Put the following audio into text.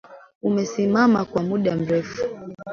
Umesimama kwa muda mrefu.